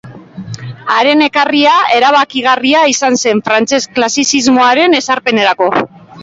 Haren ekarria erabakigarria izan zen frantses klasizismoaren ezarpenerako.